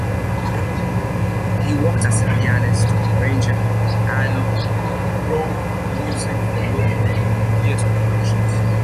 He worked as a pianist, arranger, and wrote music for local theater productions.